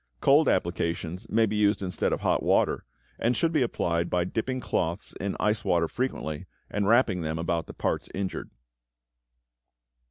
Cold applications may be used instead of hot water, and should be applied by dipping cloths in ice water frequently, and wrapping them about the parts injured.